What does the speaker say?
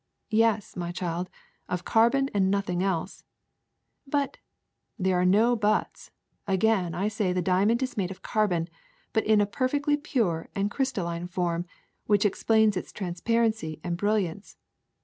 ^^Yes, my child, of carbon and nothing else." <<But— "*^ There are no buts. Again I say the diamond is made of carbon, but in a perfectly pure and crystal line form, which explains its transparency and brilliance.